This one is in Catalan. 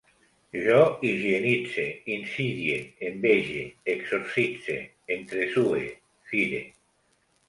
Jo higienitze, insidie, envege, exorcitze, entresue, fire